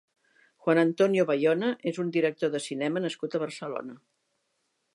Juan Antonio Bayona és un director de cinema nascut a Barcelona.